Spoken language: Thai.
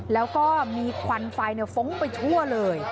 แล้วก็มีควันไฟฟุ้งไปทั่วเลย